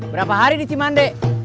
berapa hari di cimande